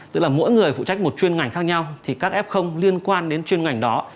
tức là mỗi người phụ trách một chuyên ngành khác nhau thì các f liên quan đến chuyên ngành đó